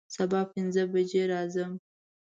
سبا پنځه بجې راځم